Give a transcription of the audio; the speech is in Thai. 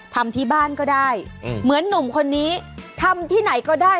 ทำที่บ้านก็ได้เหมือนหนุ่มคนนี้ทำที่ไหนก็ได้